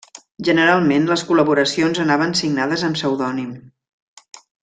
Generalment les col·laboracions anaven signades amb pseudònim.